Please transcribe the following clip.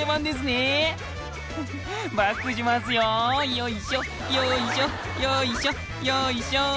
よいしょよいしょよいしょよいしょ。